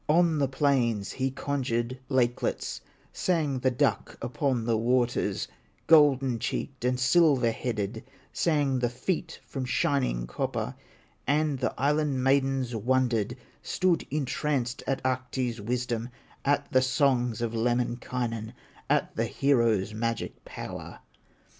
On the plains he conjured lakelets, Sang the duck upon the waters, Golden cheeked and silver headed, Sang the feet from shining copper; And the Island maidens wondered, Stood entranced at Ahti's wisdom, At the songs of Lemminkainen, At the hero's magic power.